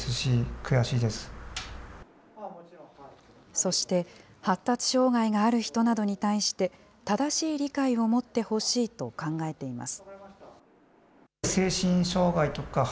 そして発達障害がある人などに対して、正しい理解を持ってほしいと考えています。